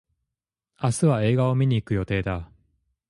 明日は映画を観に行く予定だ。